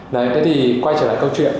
đấy thế thì quay trở lại câu chuyện